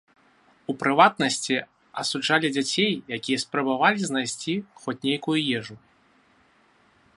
У прыватнасці, асуджалі дзяцей, якія спрабавалі знайсці хоць нейкую ежу.